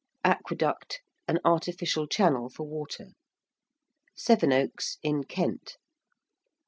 ~aqueduct~: an artificial channel for water. ~Sevenoaks~, in Kent.